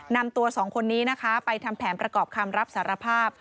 นำตัวสองคนนี้นะคะไปทำแผนประกอบคำรับสารภาพ